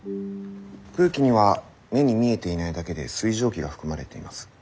空気には目に見えていないだけで水蒸気が含まれています。